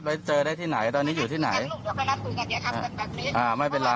ไปเจอที่ไหนตอนนี้อยู่ที่ไหน